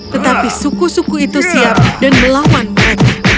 tetapi suku suku itu siap dan melawan mereka